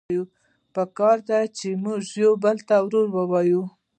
پکار ده چې مونږه يو بل واورو